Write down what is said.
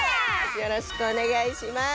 よろしくお願いします。